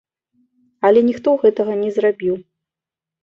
Але ніхто гэтага не зрабіў.